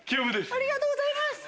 ありがとうございます！